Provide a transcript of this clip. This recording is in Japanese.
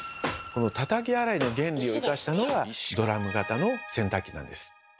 このたたき洗いの原理を生かしたのがドラム型の洗濯機なんです。